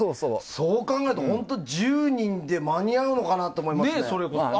そう考えると１０人で間に合うのかなって思いますよね。